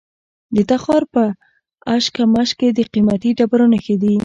د تخار په اشکمش کې د قیمتي ډبرو نښې دي.